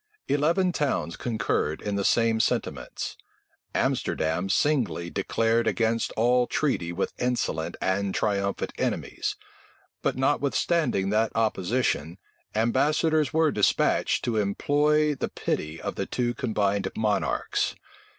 Eleven towns concurred in the same sentiments. Amsterdam singly declared against all treaty with insolent and triumphant enemies: but notwithstanding that opposition, ambassadors were despatched to implore the pity of the two combined monarchs.